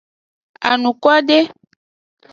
Anukwade.